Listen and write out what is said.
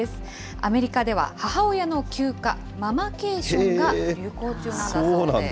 アメリカでは母親の休暇、ママケーションが流行中なんだそうです。